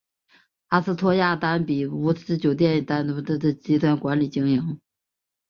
阿斯托瑞亚丹比乌斯酒店由丹比乌斯酒店集团管理经营。